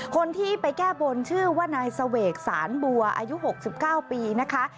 คนที่ไปแก้บนชื่อว่านายเสวกสารบัวอายุ๖๙ปีนะคะ